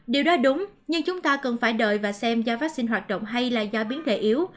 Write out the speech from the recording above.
điều đó đúng nhưng chúng ta cần phải đợi và xem do vaccine hoạt động hay là do biến thể yếu